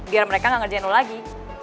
biar mereka gak ngerjain lo lagi